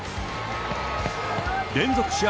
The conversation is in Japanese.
連続試合